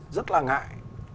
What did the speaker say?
rất là ngại